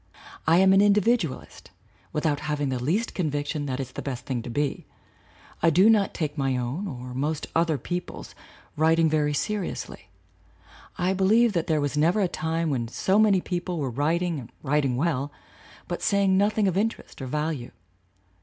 I am an individualist without having the least convic tion that it's the best thing to be. I do not take my own or most other people's writing very seriously. I believe that there was never a time when so many people were writing and writing well, but saying noth ing of interest or value.